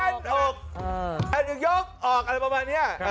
นั่นยังยกออกอะไรประมาณเนี้ย